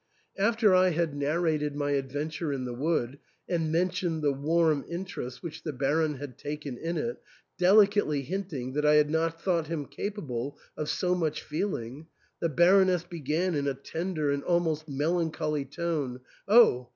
After I had narrated THE ENTAIL. 255 my adventure in the wood, and mentioned the warm interest which the Baron had taken in it, delicately hinting that I had not thought him capable of so much feeling, the Baroness began in a tender and almost melancholy tone, '* Oh